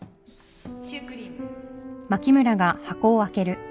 シュークリーム